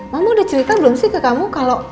mama udah cerita belum sih ke kamu